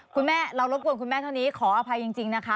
คุณแม่เรารบกวนคุณแม่เท่านี้ขออภัยจริงนะคะ